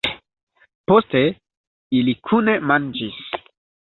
Poste, ili kune manĝis.